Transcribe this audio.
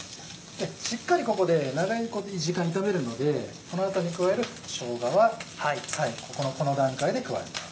しっかりここで長い時間炒めるのでこの後に加えるしょうがは最後この段階で加えます。